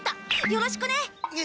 よろしくね。